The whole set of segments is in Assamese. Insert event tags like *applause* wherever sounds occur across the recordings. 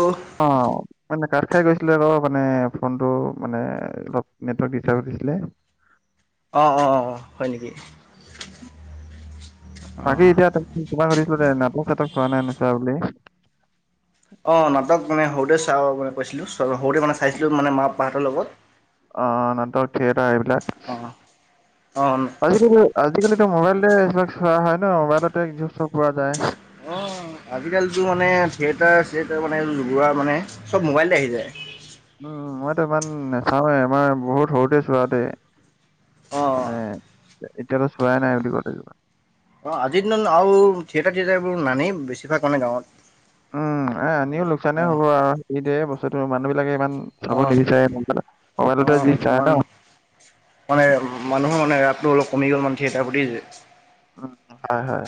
অ অ কাঠ খাই গৈছিলে ৰ মানে ফোনটো মানে অলপ নেটৱৰ্ক ডিষ্টাৰ্ব কৰিছিলে। অ অ অ হয় নেকি? অ বাকী এতিয়া তেনে তোমাক সুধিছিলো দে ন। *unintelligible* অঁ নাটক মানে সৰুতে চাওঁ মানে কৈছিলো সৰুতে মানে চাইছিলো মানে মা পাপাহঁতৰ লগত। অ নাটক থিয়েটাৰ এইবিলাক। অ অ। আজিকালি আজিকালিতো মোবাইল এইবিলাক চোৱা হয় ন। মোবাইলতে চব পোৱা যায়। আজিকালিতটো মানে থিয়েটাৰ চিয়েটাৰ মানে এইবোৰ মানে চব মোবাইলতে আহি যায়। উম মইতো ইমান নাচাওৱে। আমাৰ বহুত সৰুতে চোৱা দেই। অ মানে এতিয়াতো চোৱাই নাই বুলিলে কব লাগিব। অ আজিৰ দিন আৰু থিয়েটাৰ থিয়েটাৰবোৰ নানেই বেছিভাগ মানে ন গাঁৱত। উম এ অ আনিও লোকচানে অ হ'ব আৰু। ফিৰিতে বস্তুটো মানুহ বিলাকে ইমান অ চাব নিবিচাৰে ন। মোবাইল অ মোবাইলতে যি চাই কিছুমান ন মানে মানে মানুহৰ ৰাপটো অলপ কমি গ'ল মানে থিয়েটাৰ প্ৰতি যে উম হয় হয়।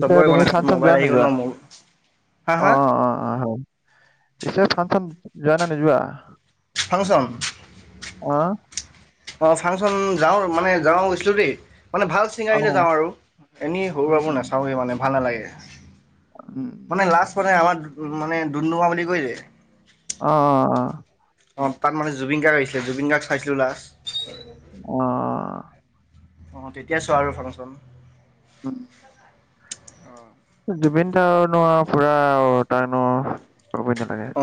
চবৰে তুমি মানে হাতত ফাংচন যোৱা মোবাইল নে আহি গ'ল নোযোৱা? ন মোৰ হা অ হা অ অ। পিছে ফাংচন যোৱা নে নোযোৱা? ফাংচন অঁ, অ ফাংচন যাওঁ। মানে গাওঁত গৈছিলো দেই। মানে ভাল ছিংগাৰ আহিলে অঁ, যাওঁ আৰু এনেই সৰু-সুৰাবোৰ উম, নাচাওঁৱে মানে ভাল নালাগে। উম, মানে হয়। লাষ্ট মানে আমাৰ মানে ডুমডুমা বুলি কৈ যে অ অ অ। অ তাত মানে জুবিন গাৰ্গ আহিছিলে। জুবিন গাৰ্গ চাইছিলো লাষ্ট অ। অ তেতিয়া চোৱা আৰু ফাংচন। উম। অহ। জুবিন দা তাৰনো পুৰা আৰু তাইনো অ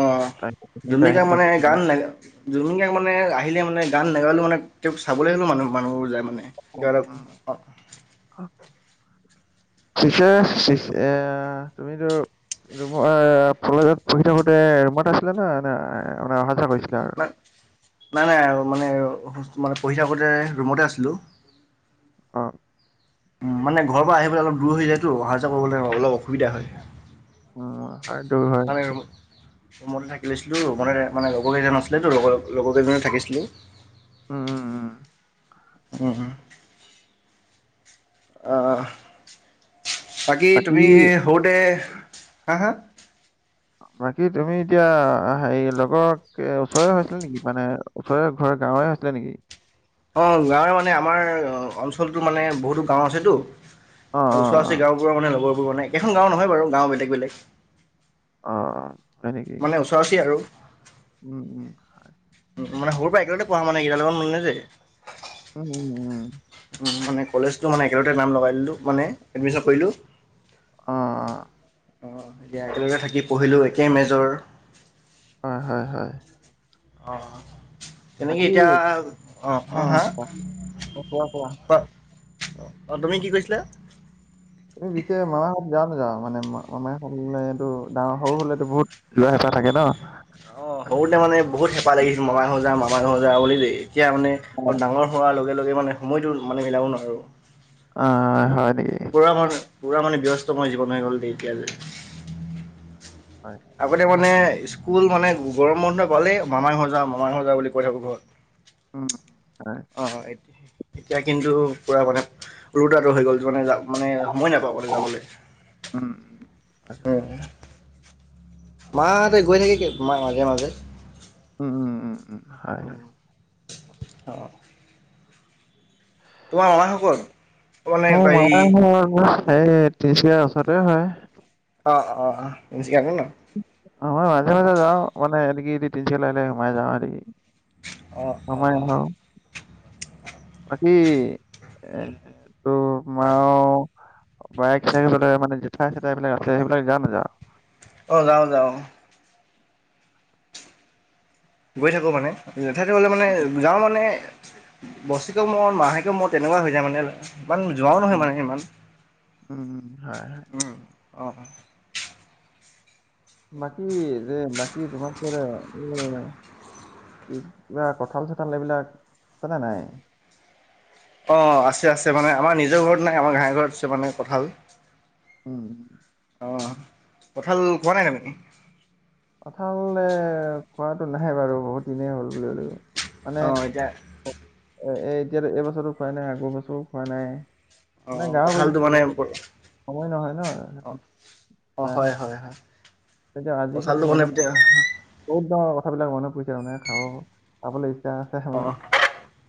জুবিন গাৰ্গ মানে গান জুবিন গাৰ্গ মানে আহিলে মানে গান নেগালেও মানে তেওঁক চাবলৈ হলেও। মানুহ মানুহবোৰ যায় মানে তেওঁক কিবা এটা পিছে পিছে তুমিতো ৰুম কলেজত পঢ়ি থাকোতে ৰুমত আছিলা? ন নে মানে অহা-যোৱা কৰিছিলা? আৰু? নাই। নাই নাই মানে আৰু ৰু মানে পঢ়ি থাকোঁতে ৰুমতে আছিলোঁ। অ। উম মানে ঘৰৰ পৰা আহিব বলৈ অলপ দূৰ হৈ যায়তো। অহা যোৱা কৰিবলৈ অলপ অসুবিধা হয়। সেইটো হয়। আমি ৰুম ৰুমতে থাকি লৈছিলো। ৰুমতে মানে লগৰ কেইজন আছিলেতো লগৰ লগৰ কেইজনে থাকিছিলো। উম উম উম। উমহ। বাকী তুমি সৰুতে হা হা বাকী তুমি এতিয়া হেৰি লগৰক ওচৰে হৈছিলা নেকি মানে ওচৰে ঘৰ গাঁৱৰে আছিলে নেকি? অ গাঁৱে মানে আমাৰ অঞ্চলটো মানে বহুতো গাঁও আছেতো। অ', ওচৰা-ওচৰি অ', গাঁওবোৰৰ মানে লগৰবোৰ মানে একেখন গাঁও নহয় বাৰু। গাঁও বেলেগ বেলেগ। অ। হয় নেকি? মানে ওচৰা-ওচৰি আৰু। উম উম হয়। উ মানে সৰুৰে পৰা একে লগতে পঢ়া মানে সিহঁতৰ লগত মানে যে উম উম উম। মানে কলেজতো মানে একে লগতে নাম লগাই দিলো মানে এডমিছন কৰিলো। অ', অ', অ এতিয়া একেলগে থাকি পঢ়িলো, একে মেজৰ, হয় হয় হয়। অ তেনেকে বাকী এতিয়া অ খ হা অ', কোৱা, কোৱা। অ অ তুমি কি কৈছিলা যাও নাযাও মানে মমে হৰুলে এইটো ডাঙৰ সৰু হ'লেতো বহুত লোৱা হেঁপাহ থাকে ন *unintelligible* অ সৰুতে মানে বহুত হেঁপাহ লাগিছিল মমাই সজা মামাই জাও বুলি দেই *unintelligible* এতিয়া মানে অ', অলপ ডাঙৰ হোৱাৰ লগে লগে মানে সময়টো মানে মিলাব নোৱাৰোঁ অ হয়। নেকি? পুৰা মান পুৰা মানে ব্যস্ত মই জীৱন হৈ গ'ল দেই এতিয়া যে হয়, আগতে মানে স্কুল মানে গৰম মৰুনা পালেই মামাই ঘহৰ যা মামাহৰ যাওঁ বুলি কৈ থাকো ঘৰত - উম হয়। এতিয়া কিন্তু পুৰা মানে উৰু তাটো হৈ গ'ল মানে যাম মানে সময় নাপাযো মানে যাবলে উম, উম, হয়, উম। মাহঁতে গৈ থাকে ম মাজে মাজে- উম উম উম উম হয় উম হয়। অ তোমাৰ মমাঘৰ কত - অ মামাঘৰ তিনিচুকীয়া ওচৰতে হয়। অ অ অ কাকো ন অ মই মাজে মাজে যাও মানে এনে কি তিনিচুকীয়া যাওতে সোমাই যাওঁ। সে অঁ অঁ বাকী এ তোৰ মা বাইক চাইক বোলে মানে জেঠাই চেঠাই এইবিলাক আছে সেইবিলাক যাঅ নাযাওঁ। অ যাওঁ যাওঁ। গৈ থাকো মানে যঠাইহতে গলে মানে যাওঁ মানে *unintelligible* বছেক মোৰত মাহেকৰ মোৰত তেনেকুৱা হৈ যায় মানে *unintelligible* ইমান যোৱাও নহয় উম, মানে ইমান উম, হয়, হয়। উম *unintelligible* অঁ অঁ বাকী যে বাকী তোমালোকে *unintelligible* কিবা কঠাল চঁঠাল এইবিলাক আছেনে নাই অ আছে আছে মানে আমাৰ নিজৰ ঘৰত নাই আমাৰ ঘাঁহৰ ঘাইঘৰত আছে মানে কঁঠাল *unintelligible* উম অ কঠাল কোৱা নাই তুমি *unintelligible* কটালে খোৱাটো নাহে বাৰু বহুত দিনেই হ'ল বুলিব লাগিব *unintelligible* অঁ এতিয়া এ এ এতিয়াতো এইবছৰটো খোৱাই নাই আগৰ বছৰো খোৱা নাই অ', *unintelligible* মানে গাও কঁঠালটো মানে বুলি সময় নহয় ন স অ', *unintelligible* অ হয় হয় হয় কঁঠালটো মানে *unintelligible* এতিয়া বহুত ডাঙৰ কথাবিলাক মনত পৰিছে তানে খাব খাবলৈ আছে অ মানে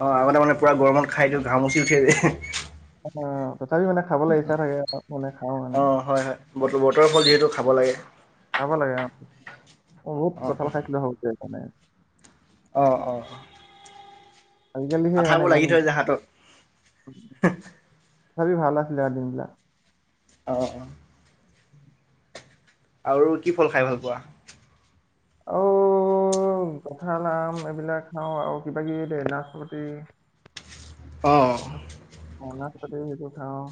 অ আগতে মানে পুৰা গৰমত খাই দিও ঘামচি উঠে যে *unintelligible* অ তথাপি মানে খাবলৈ ইচ্ছা থাকে মানে খাওঁ মানে অ', হয় হয় বতৰ বতৰৰ ফল যিহেতু খাব লাগে খাব লাগে অ মই বহুত কঁঠাল খাইছিলো সৰুতে মাণে *unintelligible* অঁ অঁ আজিকালিহে মানে ইমান হাতত। তথাপি ভাল আছিলে দিন বিলাক *unintelligible* অ উ আৰু কি ফল খাই ভাল পোৱা *unintelligible* আও কঁঠাল আম এইবিলাক খাওঁ আৰু কিবা কিবি দ নাচপতি *unintelligible* অঁ। মাতে সেইটো খাওঁ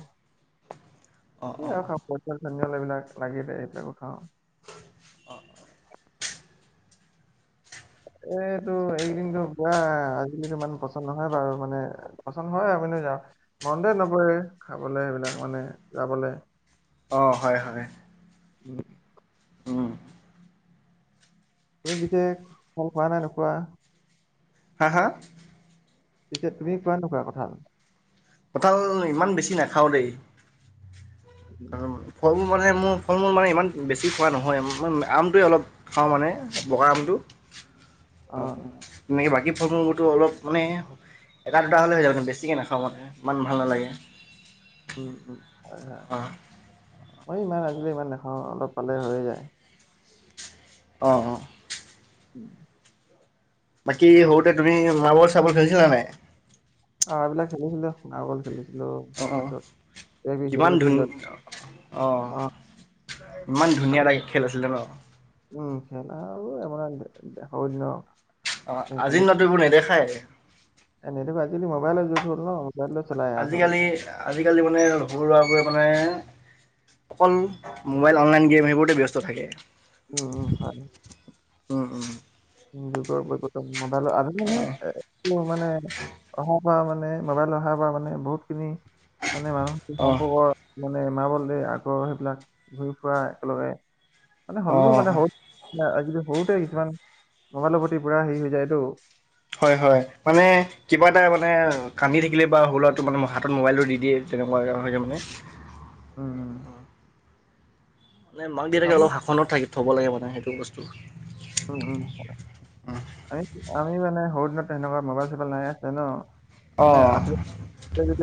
অ', কি অ', আৰু খাব। ধনিয়ল এইবিলাক লাগি সেইবিলাকো খাওঁ। অঁ অঁ। এইটো এইকেইদিনো পুৰা আজিকালি টো ইমান পচন্দ নহয় বাৰু মানে পচন্দ হয় আৰু- মনতে নপৰে খাবলৈ সেইবিলাক মানে যাবলৈ। অঁ হয় হয়। উম'। উমঁ। তুমি পিছে ভাল খোৱা নে নোখোৱা? হাঁ হাঁ? পিছে তুমি খোৱা নোখোৱা কথাল? কঁঠাল ইমান বেছি নাখাওঁ দেই। উম' ফল-মূল মানে মোৰ ফল-মূল মানে ইমান বেছি খোৱা নহয় মানে আমটো অলপ খাওঁ মানে বগা আমটো। *unintelligible* *inaudible* অঁ। অ', তুমি বাকী ফল-মূলবোৰ টো অলপ মানে- এটা দুটা হ'লে হৈ যাব কিন্তু বেছিকে নাখাওঁ মানে ইমান ভাল নালাগে। উমঁ উমঁ হয়। অ', মইও ইমান আজিকালি ইমান নাখাওঁ অলপ পালে হৈয়ে যায়। অঁ অঁ। উমঁ। বাকী' সৰুতে তুমি মাৰ্বল- চাৰ্বল খেলিছিলা নাই? অঁ এইবিলাক খেলিছিলো দিয়া মাৰ্বল খেলিছিলো। অঁ অ', অ', তাৰপাছত এইবিলাক কিমান শিলগুটি ধুন বিলাক অ'। অঁ। ইমান ধুনীয়া লাগে খেল আছিলে ন'? উমঁ। খেলা আৰু মানে সৰু দিনৰ- অঁ আজি নতুনবোৰ নেদেখাই। এ' আজিকালি মোবাইলৰ যুগ হ'ল ন'। মোবাইলত চলাই আৰু চবে আজিকালি আজিকালি মানে সৰু ল'ৰাবোৰে মানে- অকল মোবাইল, অনলাইন গেম সেইবোৰতে ব্যস্ত থাকে। উমঁ হয়। উমঁ উমঁ। আজি যুগৰ বৈজতম মোবাইলৰ। আজিকালি মানে- অহাৰ পৰা মানে মোবাইল অহা পৰা মানে বহুতখিনি- মানে মানুহৰ কি অঁ অঁ সম্ভৱৰ মানে মাৰ্বল আগৰ সেইবিলাক ঘূৰি ফুৰা একেলগে- মানে হ'লো অঁ মানে সৰু আজি সৰুতে কিছুমান- মোবাইলৰ প্ৰতি পুৰা হেৰি হৈ যায় টো। হয় হয় মানে কিবা এটা মানে কান্দি থাকিলে বা সৰু'তে মানে হাত'ত মোবাইলটো দি দিয়ে। তেনেকুৱাকে হৈ গ'ল মানে। উমঁ। মানে মাক দেউতাকে অলপ শাসনত থাকি থ'ব লাগে মানে সেইটো বস্তু। উমঁ উমঁ। আমি মানে সৰু দিনতে তেনেকুৱা মোবাইল-চোবাইল নাই হৈছিলে ন' মানে অঁ আছিলে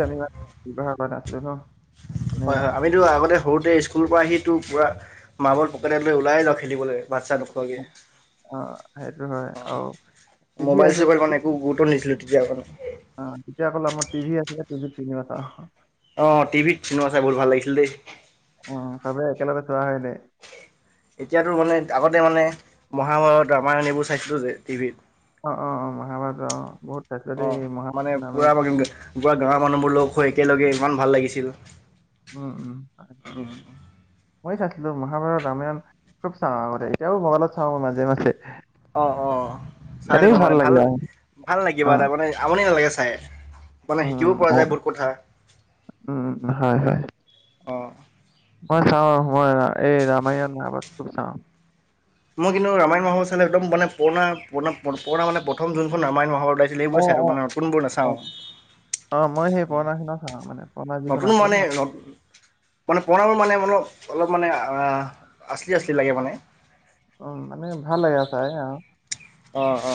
আমি- কিবা'হৰ কাৰণে আছিলে ন'। মানে হয় হয়। আমিতো আগতে সৰুতে স্কুলৰ পৰা আহি- টো পুৰা মাৰ্বল পকেটত লৈ ওলাই যাওঁ খেলিবলে। বাচ্ছা হৈ। অ, সেইটো হয় অঁ। আৰু টিভি আছিলে মোবাইল-চোবাইল একো গুৰুত্ব নিদিছিলো তেতিয়া একো। অ, তেতিয়া অকল আমাৰ *unintelligible* অ' টিভিত কোনো চাই বহুত ভাল লাগিছিল দেই। ভাম একেলগে থোৱা হয় নাই। এতিয়াতো মানে আগতে মানে মহাভাৰত ৰামায়ণ এইবোৰ চাইছিলো যে টিভিত অ' অ' অ' মহাভাৰত অ' বহুত চাইছিলোঁ অ' দেই মহাভাৰত মানে ৰামায়ণ। পুৰা পুৰা গাঁৱৰ মানুহবোৰ লগ হৈ একেলগে ইমান ভাল লাগিছিল। উম উম মই চাইছিলো মহাভাৰত ৰামায়ণ খুব চাওঁ আগতে এতিয়াও মোবাইলত চাওঁ মই মাজে মাজে অ অ চাই এনেই থাকো মানে লাগে ভাল আৰু ভাল লাগিব অ', তাৰমানে আমনি নালাগে মানে উম, শিকিব উম, পৰা অ, যায় বহুত কথা উম, উম, উম, হয়, হয়। অঁ মই চাওঁ মই এই ৰামায়ণুৰ চাওঁ মই কিন্তু ৰামায়ণ মাহৰ চালে একদম মানে পুৰণা পুৰা পুৰণা মানে প্ৰথম যোনখন ৰামায়ণ মাহৰ ওলাইছিল এইবোৰ আছে অ', আৰু অ', মান কোনবোৰ অ', অ', মই সেই নাচাওঁ অ পুৰণাখিনি চাওঁ মানে পুৰণা যিখন নতুন আছিলে মানে ন নত মানে পণাল মানে মলপ অলপ মানে আচলি আচলি লাগে মানে উ মানে ভাল লে তাই অ আহ অ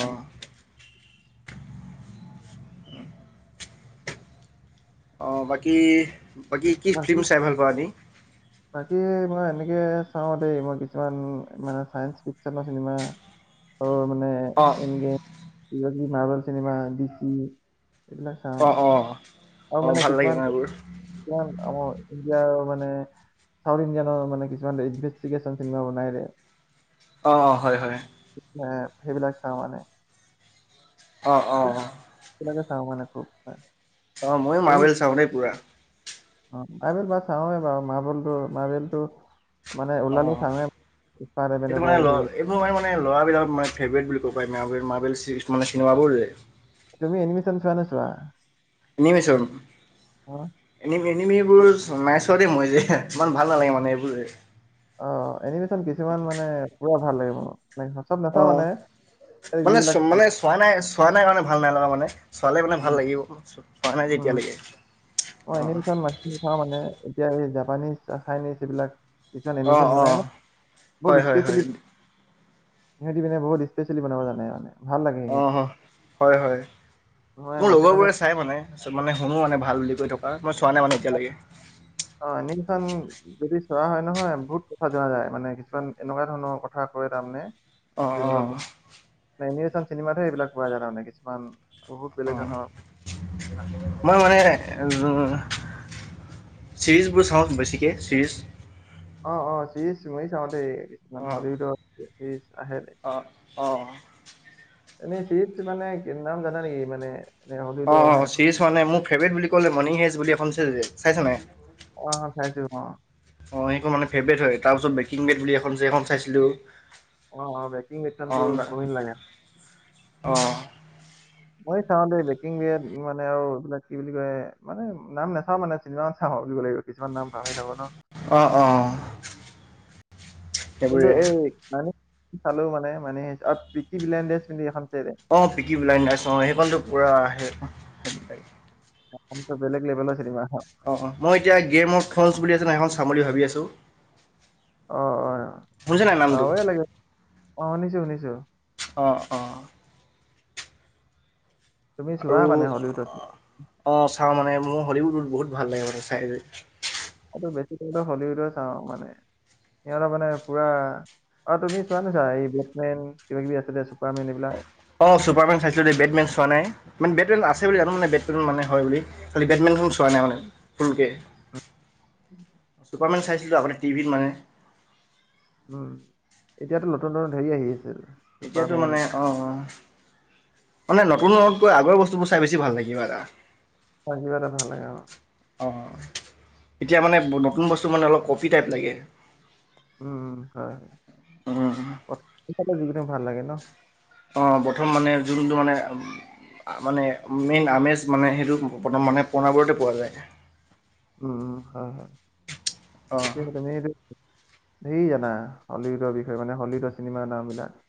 অ বাকী বাকী কি ফিল্ম চাই ভাল পা আনি। বাকী মই এনেকে চাওঁ দেই মই কিছুমান মানে চাইন্স ফিকচনৰ চিনেমা আৰু মানে অঁ এনগে মাৰ্বেল চিনেমা দি চি অ অ আৰু মানে কিছুমান কিমান আ ইণ্ডিয়াৰ মানে চাউথ ইণ্ডিয়ানৰ মানে কিছুমান ইনভেষ্টিগেশচন চিনেমা বনাই অঁ অঁ হয় হয় এ সেইবিলাক চাওঁ মানে অঁ অঁ অঁ ত মানে খুব হয় অ' মই মাৰভেল চাওঁ দেই পুৰা অ' মাইবেল বা চাৱে বাৰু মলত মেলটো অ' মেনৰ, এইটো মানে ল এইবোৰ ম মানে লৰাবলাক মে ফেভট বুলি ত মাৰ কি চিনেমাবোৰ যে তুমি এনমিছন চোৱা নচোৱা? এনিমছৰ নিম চম এইবোৰ নাই চোৱা দেই মই যে ইমান ভাল নালাগে মানে এইবোৰ অ' এনিমেশচন কিছুমান মানে পুৰা ভাল লাগে মনত ম চব নাথা অঁ। মানে যিবিলাক খোৱা নাই কাৰণে ভাল নাই লগা মানে। চোৱালে মানে ভাল উম, লাগিব পোৱা নাই। উম, যেতিয়ালৈকে অ' এনিমেশ্যন মাছখিনি চাওঁ মানে এতিয়া এই জাপানিজ চাইনিজ এইবিলাক কিছুমান অঁ এনিমেশ্যন বনাই অঁ ন বহুত হয় হয় হয় স্পেচিয়েলি সিহঁতি মান বহুত স্পেচিয়েলি বন জানোনে। আহ হয় হয়। মই মোৰ মাজে লগৰ মাজে বোৰে চাই মানেছত মানে শুনো মানে ভাল বুলি কৈ থকা মই চোৱা নাই মানে এতিয়ালৈকে। যোৱা হয় নহয় বহুত কথা জোৱা যায় মানে কিছুমান এনেকুৱা ধৰণৰ কথা কয় তাৰমানে অ' অ' ন এনে চাম চিনেমাতো এইবিলাক পোৱা যায় ত মানে কিছুমান বহুত অ' বেলেগ ধৰণৰ মই মানে ছিৰিজবোৰ চাওঁক বেছিকৈ। ছিৰিজ অ' অ' চিজ মই চাওঁতে কিছুমান হলিউডৰজ অ' অ' এনেই শত মানে নাম জানা নেকি মানে? এনে অ হলিউডৰ আহে চিৰিজ মানে মোৰ ফেভট বুলি কলে মৰ্ হেজ বুলি এ চাইছা নাই। অ অ, চাইছো অ অ সেইখন মানে ফেভৰেট হয় তাৰ পিছত বেকিং বেট বুলি এ এখন চাইছিলো? অ অ বেকিং মথনটো কম ন লাগে। অঁ মই চাও দ বেকিং মানে আৰু এইবিলাক কি বুলি কয় মানে নাম নাচাও মানে চিনেমাান চাও। অ বুজিব লাগিব কিছুমান নাম পাহৰি থাকো ন। অ' অ' কিন্তু সেইবোৰে এই মান চালো মানে মানে প্ৰ বিলডজ কিু এখন। অ' পিকি বিলাই নাইছ অ' সেইখনতো পুৰাব। বেলেগ লেভেলৰ চিনেমা। এখন অ' অ' মই এতিয়া গেম অ' ফছ বুলি আছে ন এখন চাম বুলি ভাবি আছোঁ? অ' অ' শুনিছে নাই নামটো বাউএ লাগে অ' শুনিছো শুনিছো? অ' অ' তুমি আৰু চোৱা মানে হলিউডছ। অ' চাওঁ মানে মোৰ হলীউডত বহুত ভাল লাগে মানে চাই। এইটো বেছি হলিউডো চাওঁ মানে সিহঁতৰ মানে পুৰা। অ' তুমি চোৱা নাছা এই ব্লেকমেন কিবা কিবি আছিল চুপাৰমেন এইবিলাক? অ' চুপাৰমেন চাইছিলো বেটমেন চোৱা নাই মানে বেটমে আছে বুলি জানো মানে বেট মানে হয় বুলি বেটমেন। ধ চোৱা নাই মানে সেনকে। অ' কমেণ্ চাইছিলোঁ আপোনাৰ টিভিত মানে। উম এতিয়াতো নতুন নতুন হেৰি আহি আছিল? এতিয়াতো চুপাৰমেন মানে অ' অ' মানে নতুনতকৈ আগৰ বস্তুবোৰ চাই বেছি ভাল লাগে কিবা এটা। কিবা এটা ভাল লাগে মাৰ। অঁ এতিয়া মানে নতুন বস্তু মানে অলপ কফি টাইপ লাগে। উম হয় হয় যোগ ভাল লাগে ন। অ প্ৰথম মানে যোনটো মানে। মানে মেইন আমেজ মানে সেইটো মানে পণাবোৰতে পোৱা যায়। উম হয় হয় অঁ এতিয়টো। ধেৰি জানা হলীউডৰ বিষয়ে মানে হলীউডৰ চিনেমাৰ নামবিলাক।